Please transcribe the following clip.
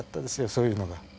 そういうのが。